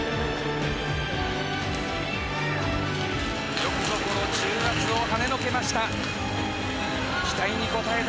よくぞこの重圧をはねのけました。